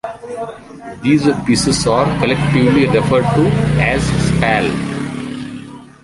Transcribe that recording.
These pieces are collectively referred to as spall.